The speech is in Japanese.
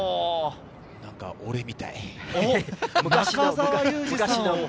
なんか俺みたい。